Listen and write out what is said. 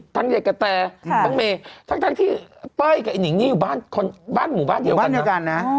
ทั้งเด็กกับแต่น้องเมทั้งที่เป้ยกับอิ่นนิงนี่อยู่บ้านหมู่บ้านเดียวกันนะ